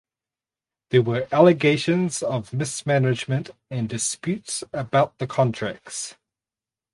There were allegations of mismanagement and disputes about the contracts.